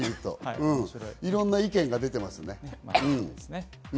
いろんな意見が出ています。